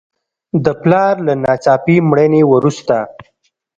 د پلار له ناڅاپي مړینې وروسته.